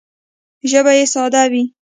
ژبه یې ساده وي